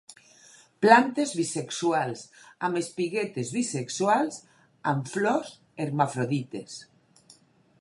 Plantes bisexuals, amb espiguetes bisexuals; amb flors hermafrodites.